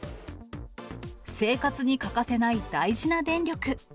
生活に欠かせない大事な電力。